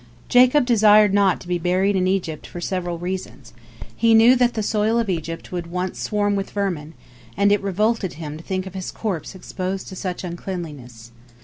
Jacob desired not to be buried in Egypt for several reasons. He knew that the soil of Egypt would once swarm with vermin, and it revolted him to think of his corpse exposed to such uncleanness.